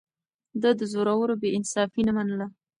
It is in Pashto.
ده د زورورو بې انصافي نه منله.